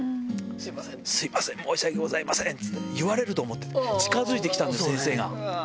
すみません、申し訳ございませんって、言われると思ってたから、近づいてきたんです、先生が。